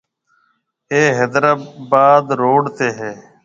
اي حيدرآباد روڊ تي ھيَََ